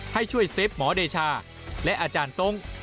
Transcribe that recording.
ให้ช่วยเซฟหมอเดชาและอาจารย์ทรง